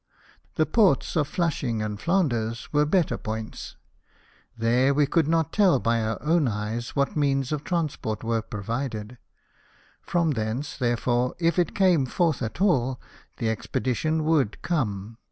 The ports of Flushing and Flanders were better points ; there we could not tell by our eyes what means of transport were provided. From thence, therefore, if it came forth at all, the expedition would come.